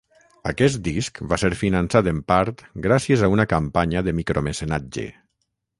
Aquest disc va ser finançat en part gràcies a una campanya de micromecenatge.